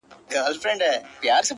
• ښکاري زرکه ,